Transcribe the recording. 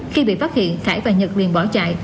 khi bị phát hiện khải và nhật liền bỏ chạy